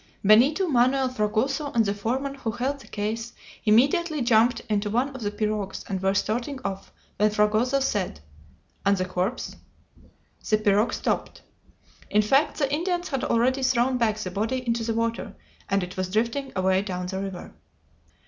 Benito, Manoel, Fragoso, and the foreman who held the case, immediately jumped into one of the pirogues, and were starting off, when Fragoso said: "And the corpse?" The pirogue stopped. In fact, the Indians had already thrown back the body into the water, and it was drifting away down the river.